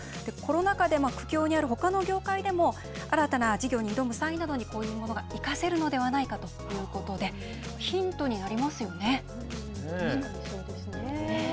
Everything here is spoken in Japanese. コロナ禍で、苦境にあるほかの業界でも、新たな事業に挑む際などに、こういうものが生かせるのではないかということで、ヒントに確かにそうですね。